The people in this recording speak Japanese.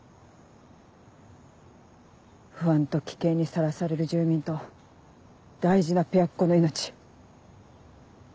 不安と危険にさらされる住民と大事なペアっ子の命。